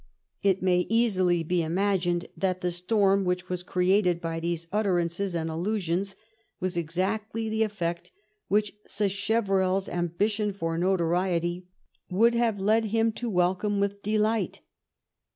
It may easily be imagined that the storm which was created by these utterances and allusions was exactly the effect which SacheverelFs ambition for notoriety would have led him to welcome with delight.